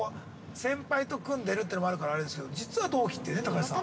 先輩と組んでるっていうのもあるからあれですけど、実は同期ってね、隆さん。